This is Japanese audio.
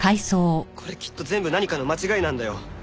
これきっと全部何かの間違いなんだよ。